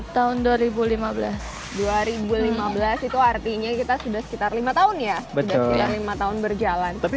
tahun dua ribu lima belas dua ribu lima belas itu artinya kita sudah sekitar lima tahun ya sudah lima tahun berjalan tapi